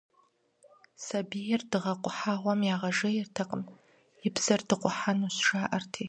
Сабийр дыгъэ къухьэгъуэм ягъэжейртэкъым, и псэр дыкъухьэнущ, жаӀэрти.